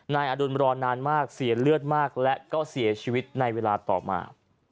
นายอดุลรอนานมากเสียเลือดมากและก็เสียชีวิตในเวลาต่อมา